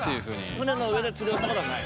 ◆船の上で釣ったことはない？